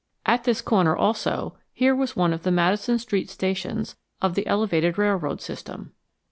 At this corner also here was one of the Madison Street stations of the elevated railroad system.